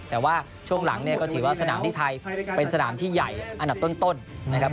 แต่ว่าช่วงหลังเนี่ยก็ถือว่าสนามที่ไทยเป็นสนามที่ใหญ่อันดับต้นนะครับ